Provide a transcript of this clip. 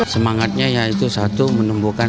semangatnya yaitu satu menumbuhkan